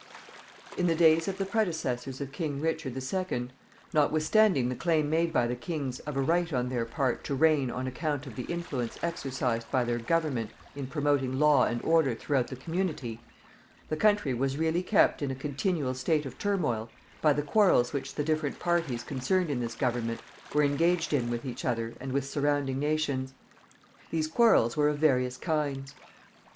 In the days of the predecessors of King Richard the Second, notwithstanding the claim made by the kings of a right on their part to reign on account of the influence exercised by their government in promoting law and order throughout the community, the country was really kept in a continual state of turmoil by the quarrels which the different parties concerned in this government were engaged in with each other and with surrounding nations. These quarrels were of various kinds.